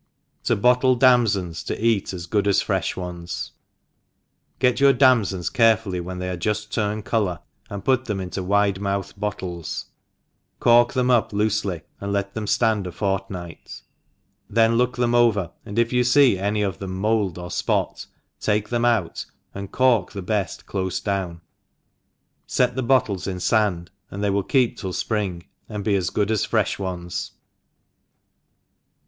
• Ta httle Damsons to eat as good as frejb ones. GET your damfons carefully when they are juft turned colour, and put them into' wide mouthed bottles, cork them up loofelyv ^d let them ftand a fortnight, then look them over, and if you fee any of them^mould or fpot, take them out and cork the reft: clofe down ; (ci the bottles in fand» and . they will keep till fpring, and be as good as fre(h ones.